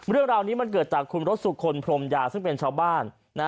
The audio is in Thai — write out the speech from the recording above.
เรื่องราวนี้มันเกิดจากคุณรสสุคลพรมยาซึ่งเป็นชาวบ้าน